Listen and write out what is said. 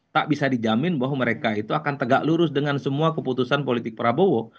tak bisa dijamin bahwa mereka itu akan tegak lurus dengan semua keputusan politik prabowo